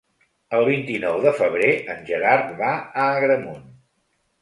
El vint-i-nou de febrer en Gerard va a Agramunt.